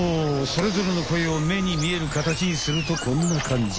それぞれの声をめに見えるかたちにするとこんなかんじ。